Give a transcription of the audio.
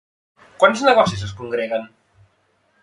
Quants negocis es congreguen?